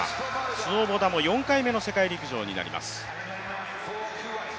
スウォボダも４回目の世界陸上になります。